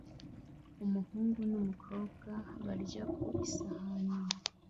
Umuhungu n'umukobwa barya ku isahani